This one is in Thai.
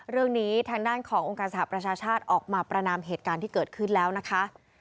เรื่องนี้ทางด้านขององค์การสหประชาชาติออกมาประนามเหตุการณ์ที่เกิดขึ้นแล้วนะคะ